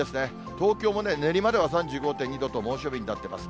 東京もね、練馬では３５．２度と猛暑日になっています。